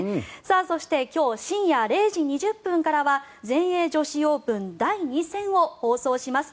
そして今日深夜０時２０分からは全英女子オープン第２戦を放送します。